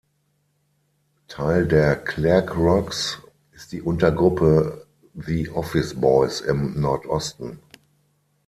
Teil der Clerke Rocks ist die Untergruppe The Office Boys im Nordosten.